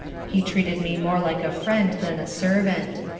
He treated me more like a friend than a servant.